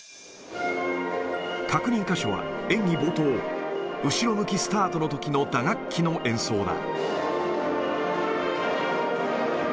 確認箇所は、演技冒頭、後ろ向きスタートのときの打楽器の演奏だ。